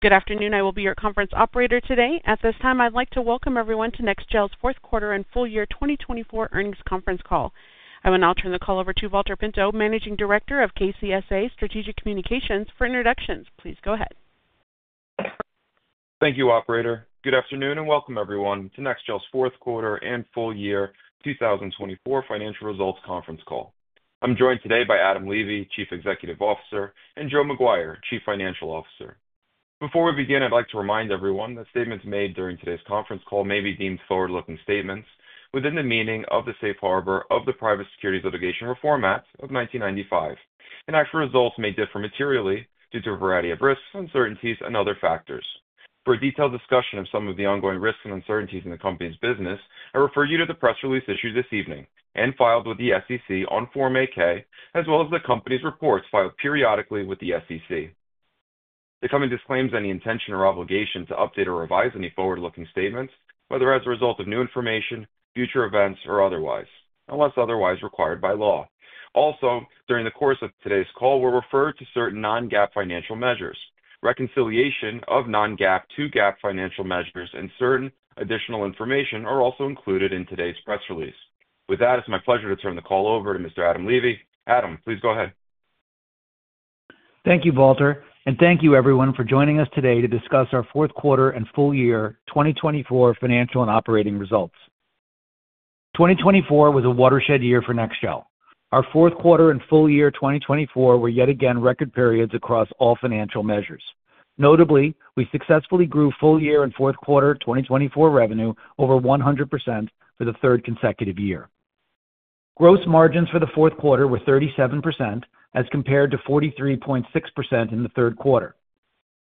Good afternoon. I will be your conference operator today. At this time, I'd like to welcome everyone to NEXGEL's fourth quarter and full year 2024 earnings conference call. I will now turn the call over to Valter Pinto, Managing Director of KCSA Strategic Communications, for introductions. Please go ahead. Thank you, Operator. Good afternoon and welcome, everyone, to NEXGEL's fourth quarter and full year 2024 financial results conference call. I'm joined today by Adam Levy, Chief Executive Officer, and Joe McGuire, Chief Financial Officer. Before we begin, I'd like to remind everyone that statements made during today's conference call may be deemed forward-looking statements within the meaning of the Safe Harbor of the Private Securities Litigation Reform Act of 1995. Actual results may differ materially due to a variety of risks, uncertainties, and other factors. For a detailed discussion of some of the ongoing risks and uncertainties in the company's business, I refer you to the press release issued this evening and filed with the SEC on Form 8-K, as well as the company's reports filed periodically with the SEC. The company disclaims any intention or obligation to update or revise any forward-looking statements, whether as a result of new information, future events, or otherwise, unless otherwise required by law. Also, during the course of today's call, we'll refer to certain non-GAAP financial measures. Reconciliation of non-GAAP to GAAP financial measures and certain additional information are also included in today's press release. With that, it's my pleasure to turn the call over to Mr. Adam Levy. Adam, please go ahead. Thank you, Valter. Thank you, everyone, for joining us today to discuss our fourth quarter and full year 2024 financial and operating results. 2024 was a watershed year for NEXGEL. Our fourth quarter and full year 2024 were yet again record periods across all financial measures. Notably, we successfully grew full year and fourth quarter 2024 revenue over 100% for the third consecutive year. Gross margins for the fourth quarter were 37% as compared to 43.6% in the third quarter.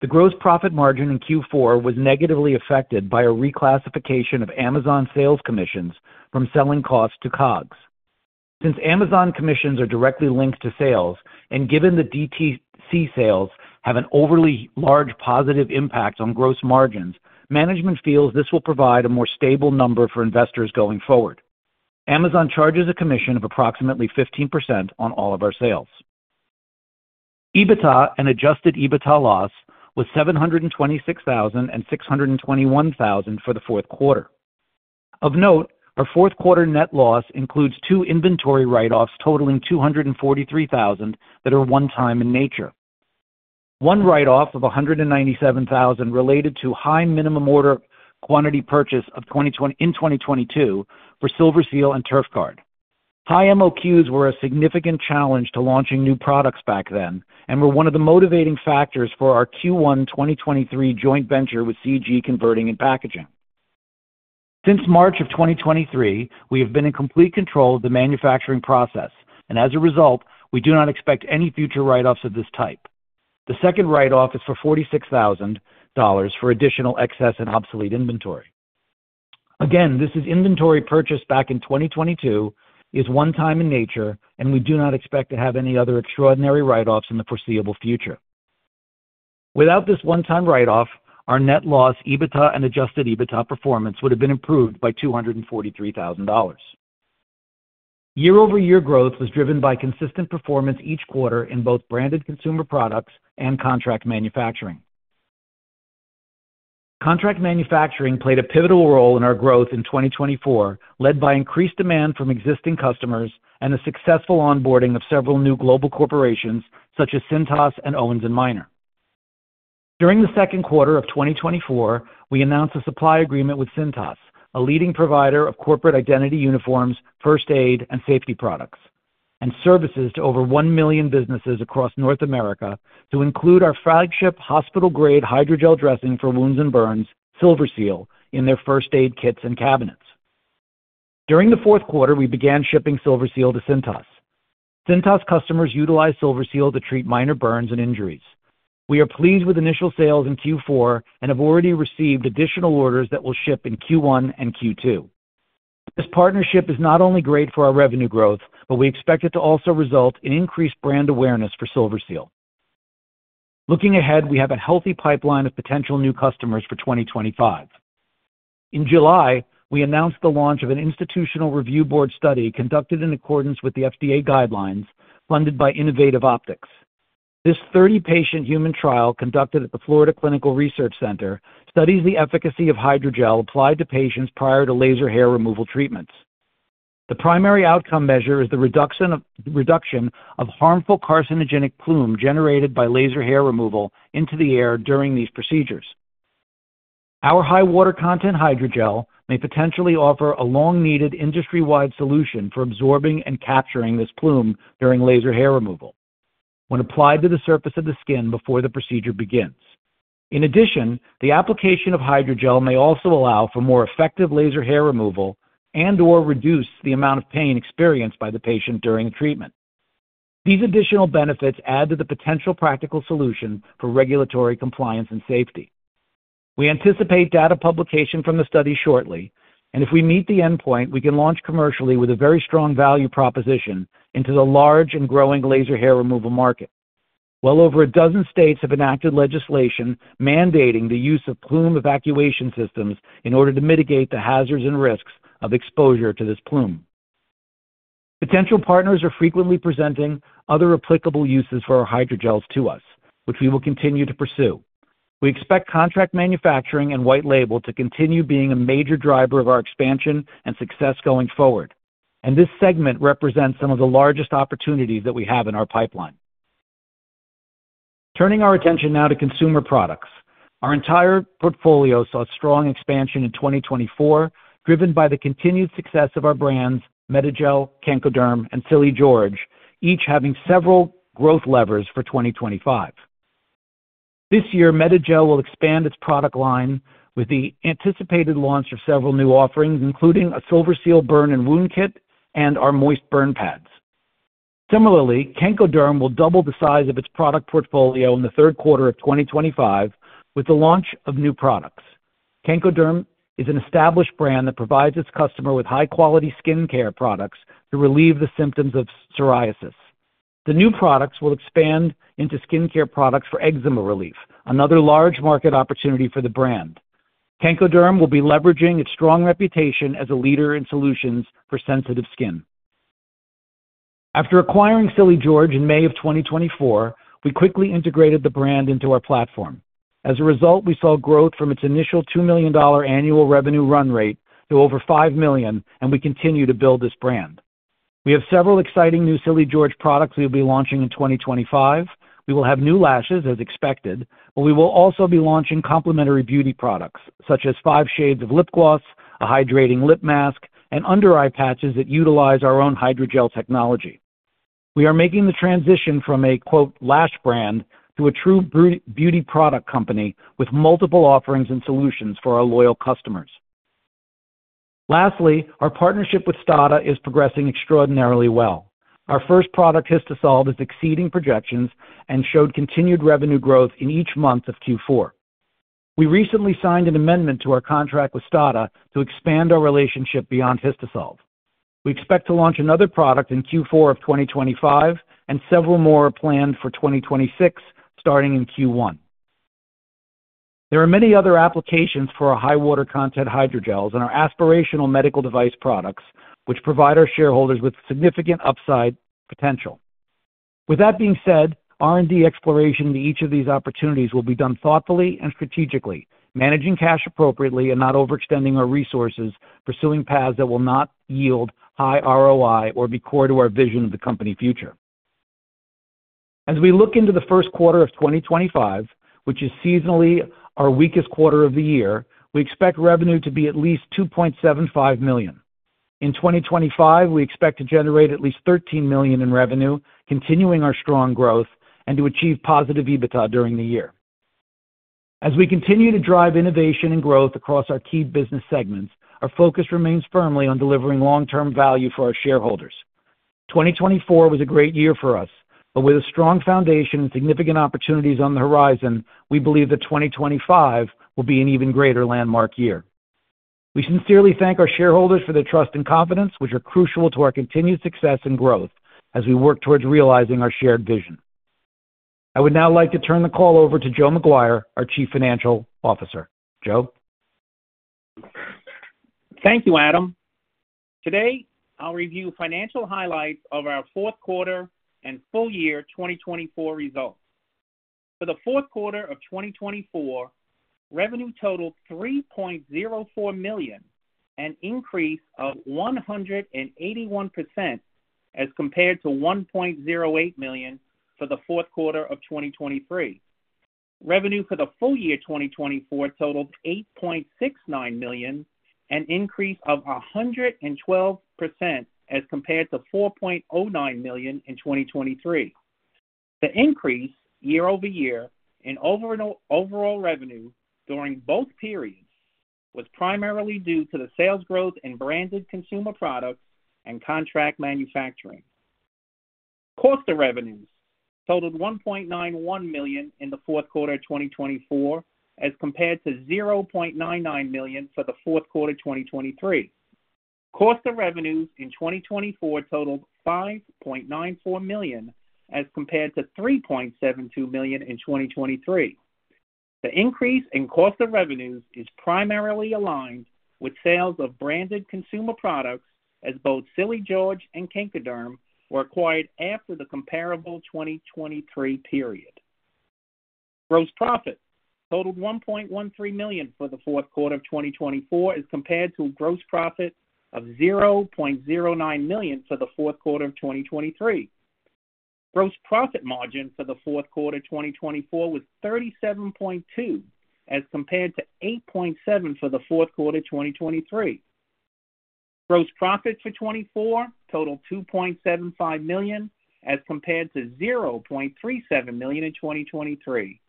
The gross profit margin in Q4 was negatively affected by a reclassification of Amazon sales commissions from selling costs to COGS. Since Amazon commissions are directly linked to sales, and given the DTC sales have an overly large positive impact on gross margins, management feels this will provide a more stable number for investors going forward. Amazon charges a commission of approximately 15% on all of our sales. EBITDA and Adjusted EBITDA loss was $726,621 for the fourth quarter. Of note, our fourth quarter net loss includes two inventory write-offs totaling $243,000 that are one-time in nature. One write-off of $197,000 related to high minimum order quantity purchase in 2022 for SilverSeal and TurfGuard. High MOQs were a significant challenge to launching new products back then and were one of the motivating factors for our Q1 2023 joint venture with CG Converting and Packaging. Since March of 2023, we have been in complete control of the manufacturing process, and as a result, we do not expect any future write-offs of this type. The second write-off is for $46,000 for additional excess and obsolete inventory. Again, this is inventory purchased back in 2022, is one-time in nature, and we do not expect to have any other extraordinary write-offs in the foreseeable future. Without this one-time write-off, our net loss, EBITDA, and Adjusted EBITDA performance would have been improved by $243,000. Year-over-year growth was driven by consistent performance each quarter in both branded consumer products and contract manufacturing. Contract manufacturing played a pivotal role in our growth in 2024, led by increased demand from existing customers and the successful onboarding of several new global corporations such as Cintas and Owens & Minor. During the second quarter of 2024, we announced a supply agreement with Cintas, a leading provider of corporate identity uniforms, first aid, and safety products, and services to over one million businesses across North America to include our flagship hospital-grade hydrogel dressing for wounds and burns, SilverSeal, in their first aid kits and cabinets. During the fourth quarter, we began shipping SilverSeal to Cintas. Cintas customers utilize SilverSeal to treat minor burns and injuries. We are pleased with initial sales in Q4 and have already received additional orders that will ship in Q1 and Q2. This partnership is not only great for our revenue growth, but we expect it to also result in increased brand awareness for SilverSeal. Looking ahead, we have a healthy pipeline of potential new customers for 2025. In July, we announced the launch of an institutional review board study conducted in accordance with the FDA guidelines funded by Innovative Optics. This 30-patient human trial conducted at the Florida Clinical Research Center studies the efficacy of hydrogel applied to patients prior to laser hair removal treatments. The primary outcome measure is the reduction of harmful carcinogenic plume generated by laser hair removal into the air during these procedures. Our high-water content hydrogel may potentially offer a long-needed industry-wide solution for absorbing and capturing this plume during laser hair removal when applied to the surface of the skin before the procedure begins. In addition, the application of hydrogel may also allow for more effective laser hair removal and/or reduce the amount of pain experienced by the patient during treatment. These additional benefits add to the potential practical solution for regulatory compliance and safety. We anticipate data publication from the study shortly, and if we meet the endpoint, we can launch commercially with a very strong value proposition into the large and growing laser hair removal market. Well over a dozen states have enacted legislation mandating the use of plume evacuation systems in order to mitigate the hazards and risks of exposure to this plume. Potential partners are frequently presenting other applicable uses for our hydrogels to us, which we will continue to pursue. We expect contract manufacturing and white label to continue being a major driver of our expansion and success going forward, and this segment represents some of the largest opportunities that we have in our pipeline. Turning our attention now to consumer products, our entire portfolio saw strong expansion in 2024, driven by the continued success of our brands, MedaGel, Kenkoderm, and Silly George, each having several growth levers for 2025. This year, MedaGel will expand its product line with the anticipated launch of several new offerings, including a SilverSeal burn and wound kit and our moist burn pads. Similarly, Kenkoderm will double the size of its product portfolio in the third quarter of 2025 with the launch of new products. Kenkoderm is an established brand that provides its customer with high-quality skincare products to relieve the symptoms of psoriasis. The new products will expand into skincare products for eczema relief, another large market opportunity for the brand. Kenkoderm will be leveraging its strong reputation as a leader in solutions for sensitive skin. After acquiring Silly George in May of 2024, we quickly integrated the brand into our platform. As a result, we saw growth from its initial $2 million annual revenue run rate to over $5 million, and we continue to build this brand. We have several exciting new Silly George products we will be launching in 2025. We will have new lashes, as expected, but we will also be launching complementary beauty products such as five shades of lip gloss, a hydrating lip mask, and under-eye patches that utilize our own hydrogel technology. We are making the transition from a "lash brand" to a true beauty product company with multiple offerings and solutions for our loyal customers. Lastly, our partnership with STADA is progressing extraordinarily well. Our first product, Histasolv, is exceeding projections and showed continued revenue growth in each month of Q4. We recently signed an amendment to our contract with STADA to expand our relationship beyond Histasolv. We expect to launch another product in Q4 of 2025, and several more are planned for 2026 starting in Q1. There are many other applications for our high-water content hydrogels and our aspirational medical device products, which provide our shareholders with significant upside potential. With that being said, R&D exploration to each of these opportunities will be done thoughtfully and strategically, managing cash appropriately and not overextending our resources, pursuing paths that will not yield high ROI or be core to our vision of the company future. As we look into the first quarter of 2025, which is seasonally our weakest quarter of the year, we expect revenue to be at least $2.75 million. In 2025, we expect to generate at least $13 million in revenue, continuing our strong growth, and to achieve positive EBITDA during the year. As we continue to drive innovation and growth across our key business segments, our focus remains firmly on delivering long-term value for our shareholders. 2024 was a great year for us, but with a strong foundation and significant opportunities on the horizon, we believe that 2025 will be an even greater landmark year. We sincerely thank our shareholders for their trust and confidence, which are crucial to our continued success and growth as we work towards realizing our shared vision. I would now like to turn the call over to Joe McGuire, our Chief Financial Officer. Joe? Thank you, Adam. Today, I'll review financial highlights of our fourth quarter and full year 2024 results. For the fourth quarter of 2024, revenue totaled $3.04 million, an increase of 181% as compared to $1.08 million for the fourth quarter of 2023. Revenue for the full year 2024 totaled $8.69 million, an increase of 112% as compared to $4.09 million in 2023. The increase year over year in overall revenue during both periods was primarily due to the sales growth in branded consumer products and contract manufacturing. Cost of revenues totaled $1.91 million in the fourth quarter of 2024 as compared to $0.99 million for the fourth quarter 2023. Cost of revenues in 2024 totaled $5.94 million as compared to $3.72 million in 2023. The increase in cost of revenues is primarily aligned with sales of branded consumer products as both Silly George and Kenkoderm were acquired after the comparable 2023 period. Gross profit totaled $1.13 million for the fourth quarter of 2024 as compared to a gross profit of $0.09 million for the fourth quarter of 2023. Gross profit margin for the fourth quarter of 2024 was 37.2% as compared to 8.7% for the fourth quarter of 2023. Gross profit for 2024 totaled $2.75 million as compared to $0.37 million in 2023.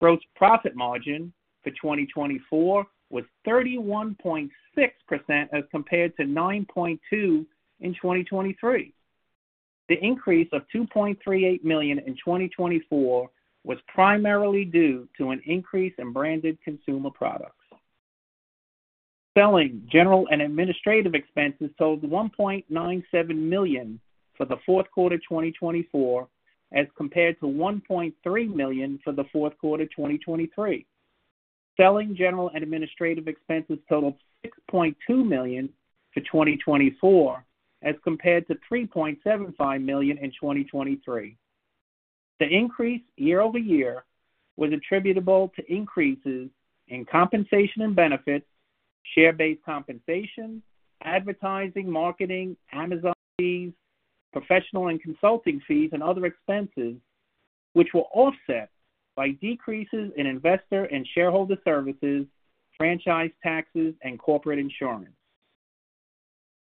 Gross profit margin for 2024 was 31.6% as compared to 9.2% in 2023. The increase of $2.38 million in 2024 was primarily due to an increase in branded consumer products. Selling, general and administrative expenses totaled $1.97 million for the fourth quarter 2024 as compared to $1.3 million for the fourth quarter 2023. Selling general and administrative expenses totaled $6.2 million for 2024 as compared to $3.75 million in 2023. The increase year over year was attributable to increases in compensation and benefits, share-based compensation, advertising, marketing, Amazon fees, professional and consulting fees, and other expenses, which were offset by decreases in investor and shareholder services, franchise taxes, and corporate insurance.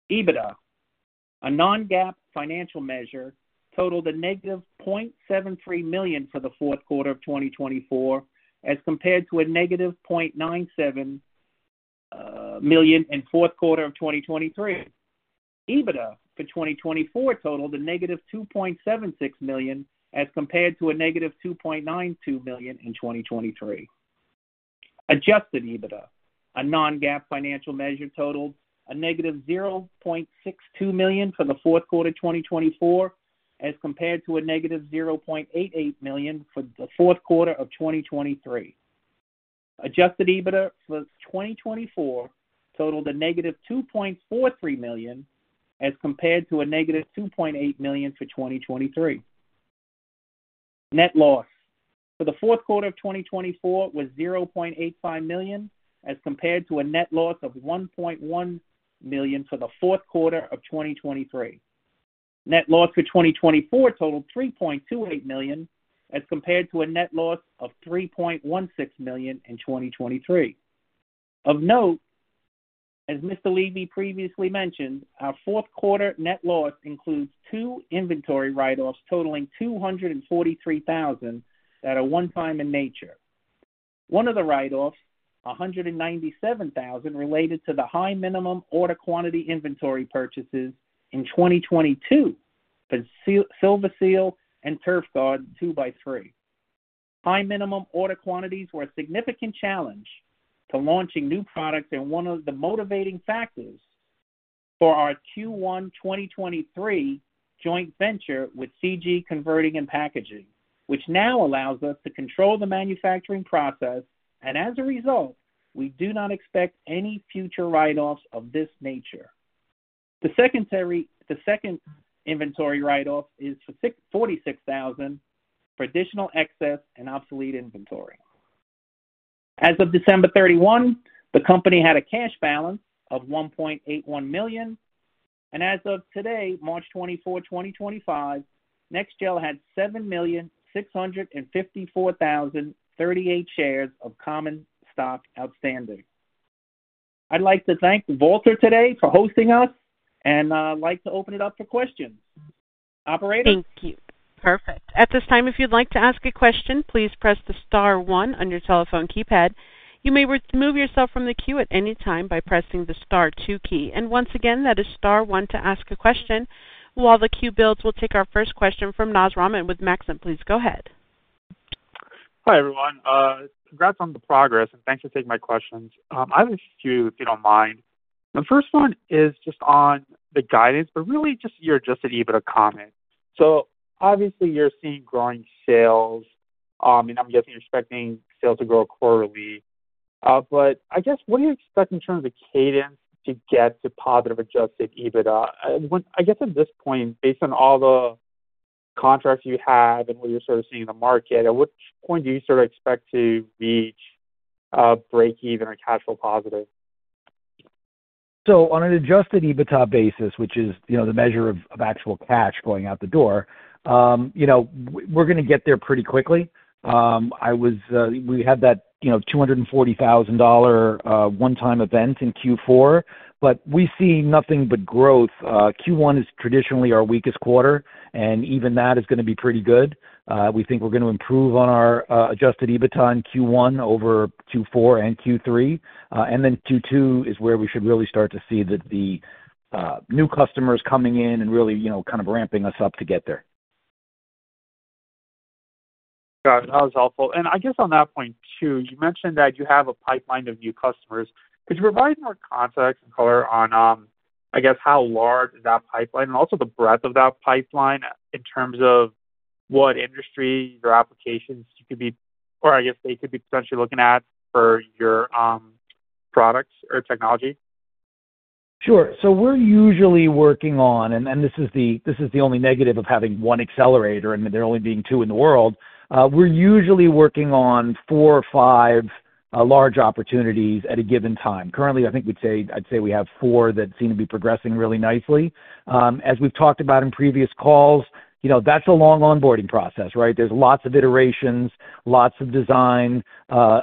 EBITDA, a non-GAAP financial measure, totaled a negative $0.73 million for the fourth quarter of 2024 as compared to a negative $0.97 million in the fourth quarter of 2023. EBITDA for 2024 totaled a negative $2.76 million as compared to a negative $2.92 million in 2023. Adjusted EBITDA, a non-GAAP financial measure, totaled a negative $0.62 million for the fourth quarter 2024 as compared to a negative $0.88 million for the fourth quarter of 2023. Adjusted EBITDA for 2024 totaled a negative $2.43 million as compared to a negative $2.8 million for 2023. Net loss for the fourth quarter of 2024 was $0.85 million as compared to a net loss of $1.1 million for the fourth quarter of 2023. Net loss for 2024 totaled $3.28 million as compared to a net loss of $3.16 million in 2023. Of note, as Mr. Levy previously mentioned, our fourth quarter net loss includes two inventory write-offs totaling $243,000 that are one-time in nature. One of the write-offs, $197,000, related to the high minimum order quantity inventory purchases in 2022 for SilverSeal and TurfGuard 2x3. High minimum order quantities were a significant challenge to launching new products and one of the motivating factors for our Q1 2023 joint venture with CG Converting and Packaging, which now allows us to control the manufacturing process, and as a result, we do not expect any future write-offs of this nature. The second inventory write-off is $46,000 for additional excess and obsolete inventory. As of December 31, the company had a cash balance of $1.81 million, and as of today, March 24, 2025, NEXGEL had 7,654,038 shares of common stock outstanding. I'd like to thank Valter today for hosting us, and I'd like to open it up for questions. Operator? Thank you. Perfect. At this time, if you'd like to ask a question, please press the star one on your telephone keypad. You may remove yourself from the queue at any time by pressing the star two key. Once again, that is star one to ask a question. While the queue builds, we'll take our first question from Naz Rahman with Maxim. Please go ahead. Hi, everyone. Congrats on the progress, and thanks for taking my questions. I have a few, if you don't mind. The first one is just on the guidance, but really just your adjusted EBITDA comment. Obviously, you're seeing growing sales, and I'm guessing you're expecting sales to grow quarterly. I guess, what do you expect in terms of cadence to get to positive adjusted EBITDA? At this point, based on all the contracts you have and what you're sort of seeing in the market, at which point do you sort of expect to reach a break-even or cash flow positive? On an adjusted EBITDA basis, which is the measure of actual cash going out the door, we're going to get there pretty quickly. We had that $240,000 one-time event in Q4, but we see nothing but growth. Q1 is traditionally our weakest quarter, and even that is going to be pretty good. We think we're going to improve on our adjusted EBITDA in Q1 over Q4 and Q3. Q2 is where we should really start to see the new customers coming in and really kind of ramping us up to get there. Got it. That was helpful. I guess on that point too, you mentioned that you have a pipeline of new customers. Could you provide more context and color on, I guess, how large that pipeline and also the breadth of that pipeline in terms of what industry or applications you could be, or I guess they could be potentially looking at for your products or technology? Sure. We're usually working on, and this is the only negative of having one accelerator and there only being two in the world. We're usually working on four or five large opportunities at a given time. Currently, I think I'd say we have four that seem to be progressing really nicely. As we've talked about in previous calls, that's a long onboarding process, right? There's lots of iterations, lots of design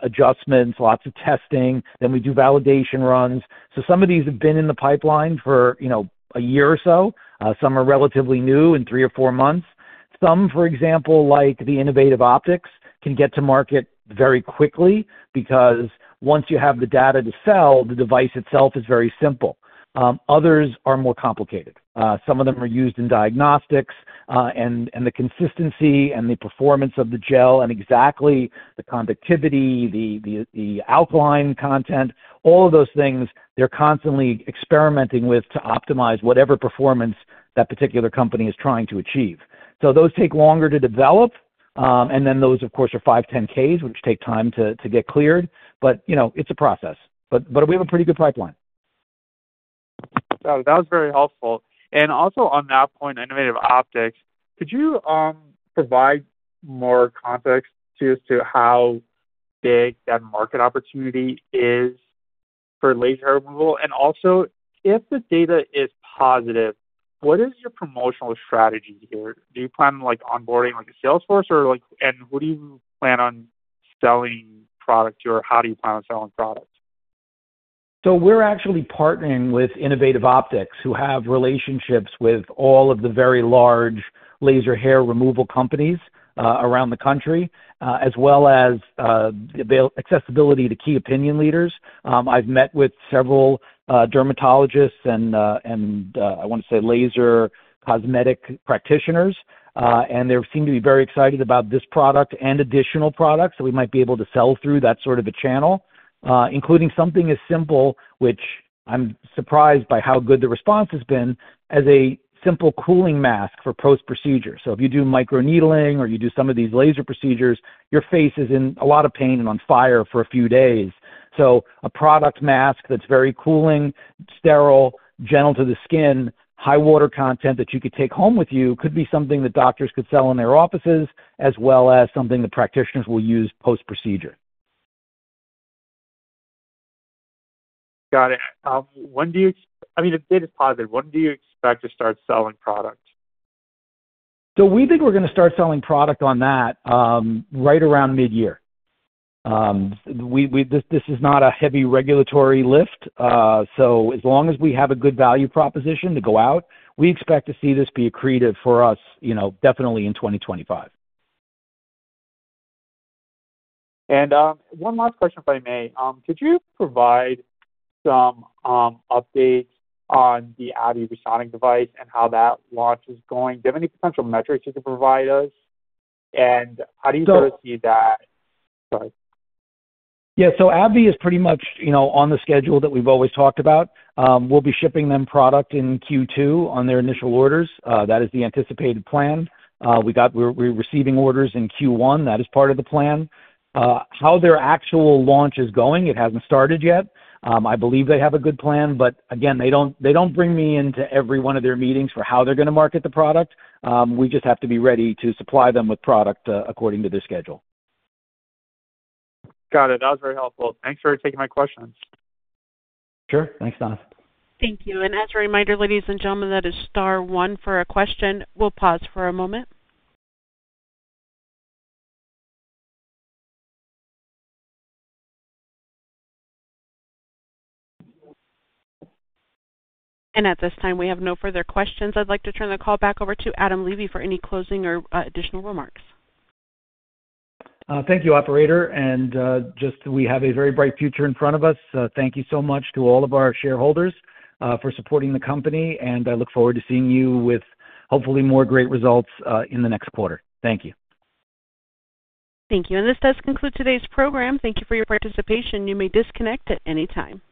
adjustments, lots of testing. We do validation runs. Some of these have been in the pipeline for a year or so. Some are relatively new in three or four months. Some, for example, like the Innovative Optics, can get to market very quickly because once you have the data to sell, the device itself is very simple. Others are more complicated. Some of them are used in diagnostics, and the consistency and the performance of the gel and exactly the conductivity, the alkaline content, all of those things, they're constantly experimenting with to optimize whatever performance that particular company is trying to achieve. Those take longer to develop, and then those, of course, are 510(k)s, which take time to get cleared. It is a process. We have a pretty good pipeline. That was very helpful. Also on that point, Innovative Optics, could you provide more context to us to how big that market opportunity is for laser removal? Also, if the data is positive, what is your promotional strategy here? Do you plan on onboarding like a sales force, and who do you plan on selling product to, or how do you plan on selling product? We're actually partnering with Innovative Optics who have relationships with all of the very large laser hair removal companies around the country, as well as accessibility to key opinion leaders. I've met with several dermatologists and, I want to say, laser cosmetic practitioners, and they seem to be very excited about this product and additional products that we might be able to sell through that sort of a channel, including something as simple, which I'm surprised by how good the response has been, as a simple cooling mask for post-procedure. If you do microneedling or you do some of these laser procedures, your face is in a lot of pain and on fire for a few days. A product mask that's very cooling, sterile, gentle to the skin, high water content that you could take home with you could be something that doctors could sell in their offices, as well as something that practitioners will use post-procedure. Got it. I mean, if data is positive, when do you expect to start selling product? We think we're going to start selling product on that right around mid-year. This is not a heavy regulatory lift. As long as we have a good value proposition to go out, we expect to see this be accretive for us definitely in 2025. One last question, if I may. Could you provide some updates on the AbbVie Resonic device and how that launch is going? Do you have any potential metrics you can provide us? How do you sort of see that? Sorry. Yeah. AbbVie is pretty much on the schedule that we've always talked about. We'll be shipping them product in Q2 on their initial orders. That is the anticipated plan. We're receiving orders in Q1. That is part of the plan. How their actual launch is going, it hasn't started yet. I believe they have a good plan, but again, they don't bring me into every one of their meetings for how they're going to market the product. We just have to be ready to supply them with product according to their schedule. Got it. That was very helpful. Thanks for taking my questions. Sure. Thanks, Nas. Thank you. As a reminder, ladies and gentlemen, that is star one for a question. We'll pause for a moment. At this time, we have no further questions. I'd like to turn the call back over to Adam Levy for any closing or additional remarks. Thank you, Operator. We have a very bright future in front of us. Thank you so much to all of our shareholders for supporting the company, and I look forward to seeing you with hopefully more great results in the next quarter. Thank you. Thank you. This does conclude today's program. Thank you for your participation. You may disconnect at any time.